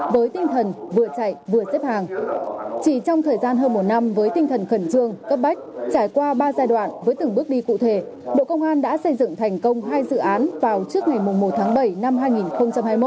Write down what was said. với tinh thần khẩn trương cấp bách trải qua ba giai đoạn với từng bước đi cụ thể bộ công an đã xây dựng thành công hai dự án vào trước ngày một tháng bảy năm hai nghìn hai mươi một